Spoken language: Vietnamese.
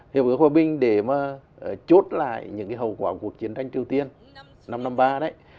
hiệp ước hòa bình để mà chốt lại những hậu quả của cuộc chiến tranh triều tiên năm năm ba đấy